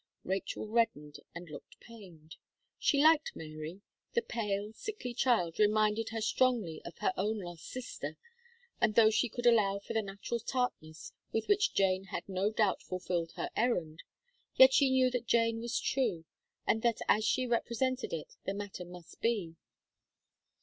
Rachel reddened and looked pained. She liked Mary; the pale, sickly child reminded her strongly of her own lost sister, and though she could allow for the natural tartness with which Jane had no doubt fulfilled her errand, yet she knew that Jane was true, and that as she represented it, the matter must be.